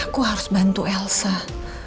tapi aku harus bantu dengan cara apa